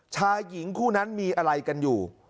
ชายหญิงคู่นั้นมีอะไรกันอยู่